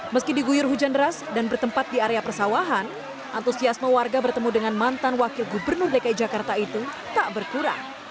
meski diguyur hujan deras dan bertempat di area persawahan antusiasme warga bertemu dengan mantan wakil gubernur dki jakarta itu tak berkurang